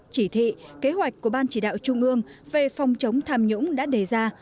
chỉ thị kế hoạch của ban chỉ đạo trung ương về phòng chống tham nhũng đã đề ra